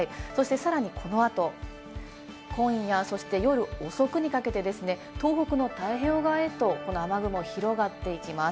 さらにこの後、今夜、そして夜遅くにかけて、東北の太平洋側へと雨雲が広がっていきます。